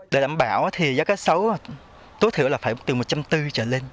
để đảm bảo thì giá cá sấu tối thiểu là phải từ một trăm bốn mươi trở lên